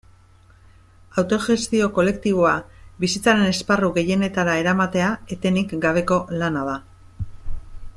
Autogestio kolektiboa bizitzaren esparru gehienetara eramatea etenik gabeko lana da.